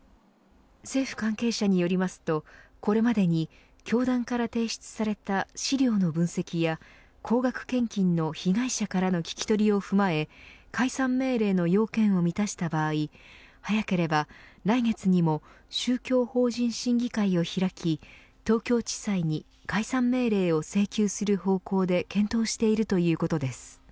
政府関係者によりますとこれまでに教団から提出された資料の分析や高額献金の被害者からの聞き取りを踏まえ解散命令の要件を満たした場合早ければ来月にも宗教法人審議会を開き東京地裁に解散命令を請求する方向で検討しているということです。